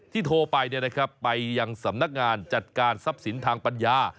โทรไปไปยังสำนักงานจัดการทรัพย์สินทางปัญญา